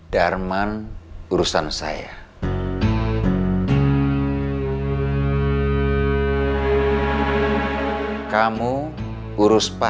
darman urusan saya